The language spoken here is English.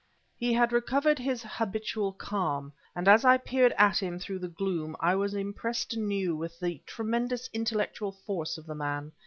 He had recovered his habitual calm, and as I peered at him through the gloom I was impressed anew with the tremendous intellectual force of the man.